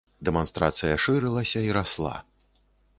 Дэманстрацыя шырылася і расла.